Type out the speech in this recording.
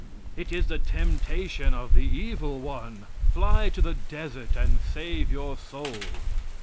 It is the temptation of the evil one. Fly to the desert and save your soul."